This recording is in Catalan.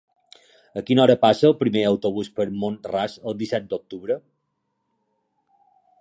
A quina hora passa el primer autobús per Mont-ras el disset d'octubre?